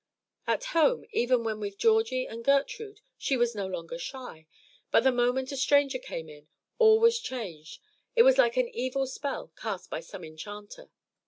At home, even when with Georgie and Gertrude, she was no longer shy; but the moment a stranger came in, all was changed. It was like an evil spell cast by some enchanter.